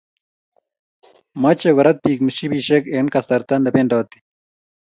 mache korat piik mshipishek eng kasarta ne pendoti